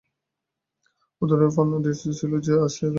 অদূরে ফর্নাণ্ডিজ ছিল, যে আসিয়া দ্বারীকে ধরিয়া বিলক্ষণ শাসন করিল।